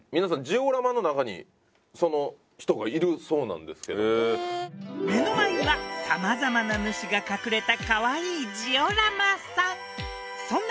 ジオラマの中にその人がいるそうなんですけれども目の前には様々な主が隠れたかわいいジオラマさん